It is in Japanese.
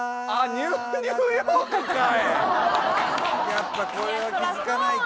やっぱこれは気付かないか。